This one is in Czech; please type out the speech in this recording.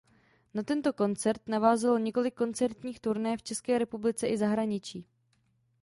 Na tento koncert navázalo několik koncertních turné v České republice i v zahraničí.